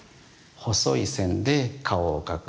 細い線で顔を描く。